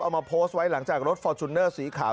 เอามาโพสต์ไว้หลังจากรถฟอร์จูเนอร์สีขาว